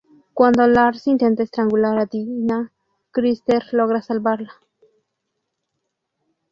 Cuando Lars intenta estrangular a Dina, Christer logra salvarla.